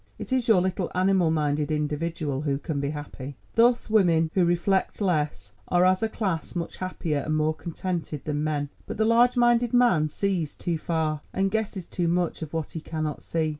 It is your little animal minded individual who can be happy. Thus women, who reflect less, are as a class much happier and more contented than men. But the large minded man sees too far, and guesses too much of what he cannot see.